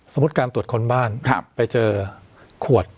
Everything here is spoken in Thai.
สมมุติการตรวจค้นบ้านครับครับไปเจอขวด